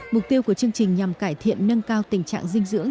mục tiêu của chương trình nhằm cải thiện nâng cao tình trạng dinh dưỡng